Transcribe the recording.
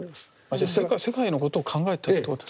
じゃあ世界のことを考えたってことですか？